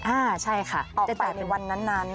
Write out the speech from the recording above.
อ่าใช่ค่ะออกไปในวันนั้น